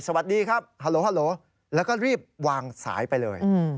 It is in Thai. สวัสดีครับฮัลโหลฮัลโหลแล้วก็รีบวางสายไปเลย